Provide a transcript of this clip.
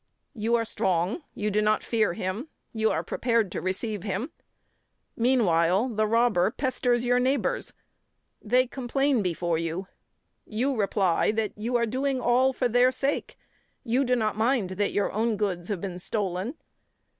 You are strong, you do not fear him, you are prepared to receive him. Meanwhile, the robber pesters your neighbours. They complain before you, you reply that you are doing all for their sake; you do not mind that your own goods have been stolen.